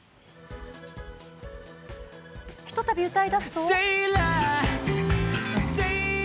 ひとたび歌いだすと。